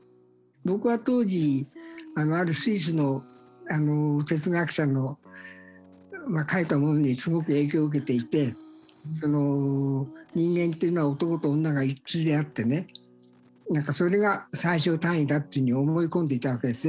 僕は当時あるスイスの哲学者の書いたものにすごく影響を受けていて人間というのは男と女が一対であってねそれが最小単位だっていうように思い込んでいたわけですね。